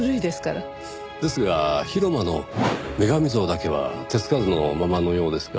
ですが広間の女神像だけは手つかずのままのようですが。